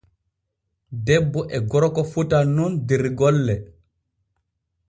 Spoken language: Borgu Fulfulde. Debbo e gorko fotan nun der golle.